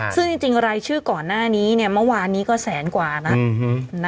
ซึ่งจริงรายชื่อก่อนหน้านี้เนี่ยเมื่อวานนี้ก็แสนกว่านะ